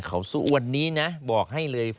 เขาสู้อวนนี้นะบอกให้เลย